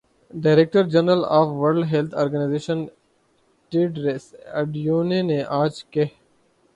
director general of World Health Organization Tedros اڈینو نے آج کہ